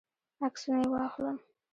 عکسونه یې واخلم.